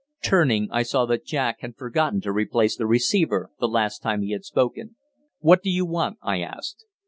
Turning, I saw that Jack had forgotten to replace the receiver the last time he had spoken. "What do you want?" I asked.